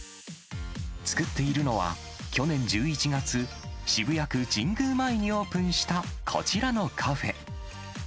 作っているのは、去年１１月、渋谷区神宮前にオープンしたこちらのカフェ。